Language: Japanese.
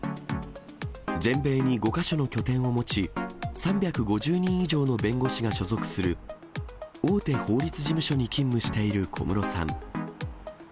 全米に５か所の拠点を持ち、３５０人以上の弁護士が所属する、大手法律事務所に勤務している小室さん。